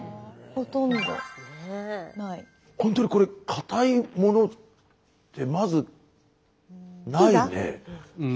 ほんとにこれかたいものってまずないね。